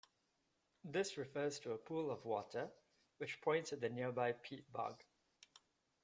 This refers to a pool of water, which points at the nearby peat-bog.